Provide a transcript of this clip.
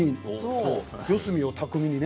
四角を巧みにね。